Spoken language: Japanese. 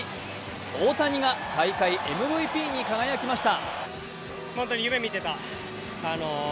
大谷が大会ＭＶＰに輝きました。